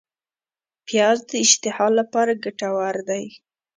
پیاز د اشتها لپاره ګټور دی